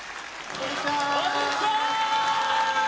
こんにちは！